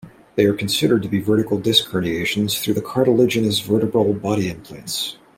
They are considered to be vertical disc herniations through the cartilaginous vertebral body endplates.